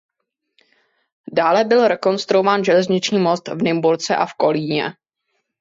Dále byl rekonstruován železniční most v Nymburce a v Kolíně.